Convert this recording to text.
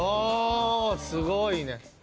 おおすごいね。